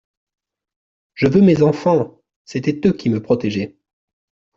Je veux mes enfants ! …C'étaient eux qui me protégeaient.